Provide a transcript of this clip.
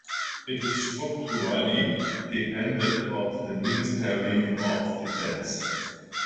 It is structurally dependent of the Ministry of Defense.